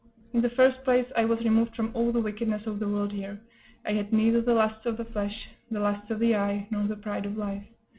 In the first place, I was removed from all the wickedness of the world here; I had neither the lusts of the flesh, the lusts of the eye, nor the pride of life.